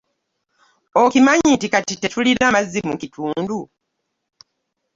Okimanyi nti kati tetulina mazzi mu kitundu.